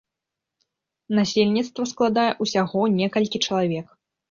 Насельніцтва складае ўсяго некалькі чалавек.